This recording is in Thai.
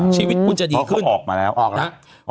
ชีวิตคุณจะดีขึ้นออกมาแล้วออกแล้ว